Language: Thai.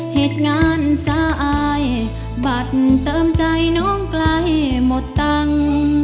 เหตุงานสายบัตรเติมใจน้องไกลหมดตั้ง